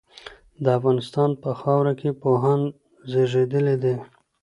د افغانستان په خاوره کي پوهان زېږيدلي دي.